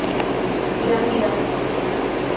Gambia